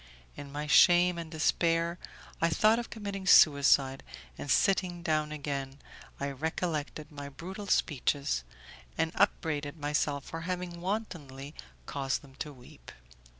In my shame and despair I thought of committing suicide, and sitting down again, I recollected my brutal speeches, and upbraided myself for having wantonly caused them to weep.